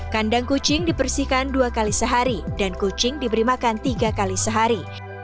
kandang kucing dibersihkan dua kali sehari dan kucing diberi makan tiga kali sehari